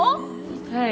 はい。